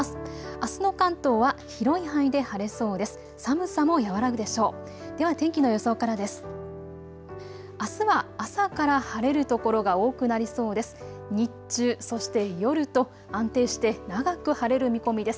あすの関東は広い範囲で晴れそうです。